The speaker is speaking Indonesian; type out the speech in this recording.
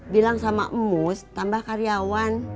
bilang sama emus tambah karyawan